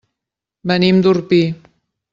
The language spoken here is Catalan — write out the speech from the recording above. Venim d'Orpí.